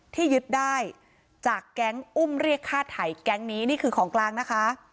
ที่ยึดได้จากแก๊งอุ้มเรียกฆ่าไถแก๊งนี้นี่คือของกลางนะคะ